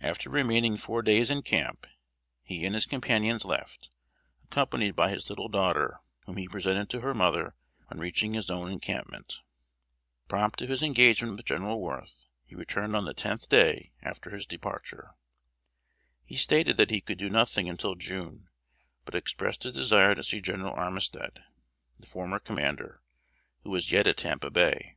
After remaining four days in camp, he and his companions left, accompanied by his little daughter, whom he presented to her mother on reaching his own encampment. Prompt to his engagement with General Worth, he returned on the tenth day after his departure. He stated that he could do nothing until June; but expressed his desire to see General Armistead, the former commander, who was yet at Tampa Bay.